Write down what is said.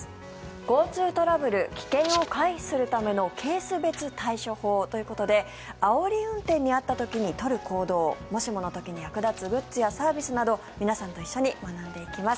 交通トラブル危険を回避するためのケース別対処法ということであおり運転に遭った時に取る行動もしもの時に役立つグッズやサービスなど皆さんとともに学んでいきます。